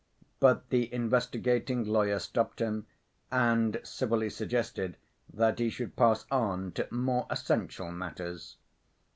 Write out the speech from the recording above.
But the investigating lawyer stopped him, and civilly suggested that he should pass on to "more essential matters."